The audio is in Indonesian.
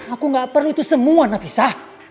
aku gak perlu itu semua nafisah